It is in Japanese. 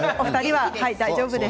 大丈夫です。